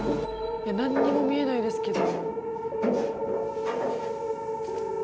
何にも見えないですけど。